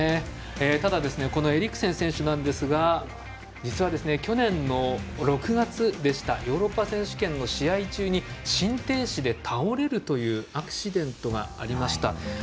ただエリクセン選手なんですが実は、去年の６月でしたヨーロッパ選手権の試合中に心停止で倒れるというアクシデントがありました。